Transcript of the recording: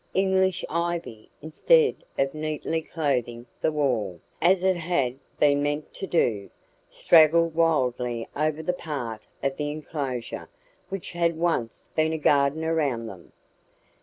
English ivy, instead of neatly clothing the wall, as it had been meant to do, straggled wildly over the part of the enclosure which had once been a garden around them.